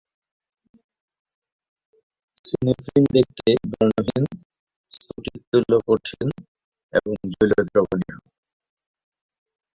Synephrine দেখতে বর্ণহীন, স্ফটিকতুল্য কঠিন এবং জলীয় দ্রবণীয়।